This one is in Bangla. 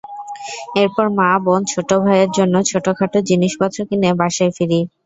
এরপর মা, বোন, ছোট ভাইয়ের জন্য ছোটখাটো জিনিসপত্র কিনে বাসায় ফিরি।